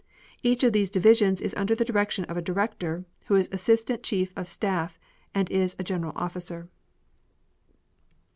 Each of these divisions is under the direction of a director; who is Assistant Chief of Staff and is a general officer.